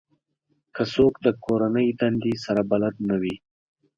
که څوک د کورنۍ دندې سره بلد نه وي